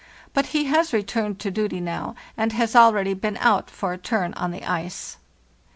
But he has returned to duty now, and has already been out for a turn on the ice.